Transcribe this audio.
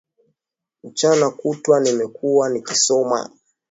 Mchana kutwa nimekuwa nikisoma